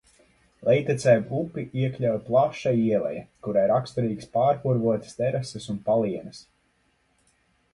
Lejtecē upi iekļauj plaša ieleja, kurai raksturīgas pārpurvotas terases un palienes.